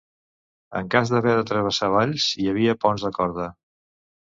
En cas d'haver de travessar valls hi havia ponts de corda.